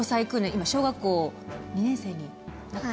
今小学校２年生になった？